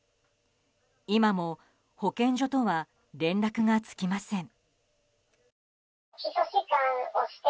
今も保健所とは連絡がつきません。